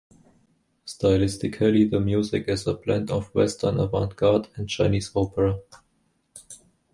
Stylistically, the music is a blend of Western avant-garde and Chinese opera.